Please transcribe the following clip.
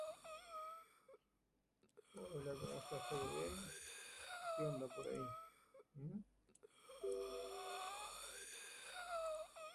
Sin grandes resultados solo logran quedar sextos en la clasificación por equipos.